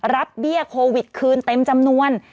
เบี้ยโควิดคืนเต็มจำนวน